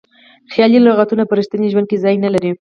خیالي لغتونه په ریښتیني ژوند کې ځای نه لري.